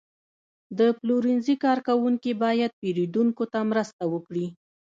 د پلورنځي کارکوونکي باید پیرودونکو ته مرسته وکړي.